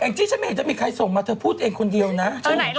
แองจิชะเมจจะมีใครส่งมาเธอพูดเองคนเดียวนะ